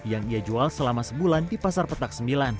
yang ia jual selama sebulan di pasar petak sembilan